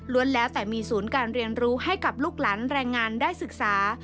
แล้วแต่มีศูนย์การเรียนรู้ให้กับลูกหลานแรงงานได้ศึกษา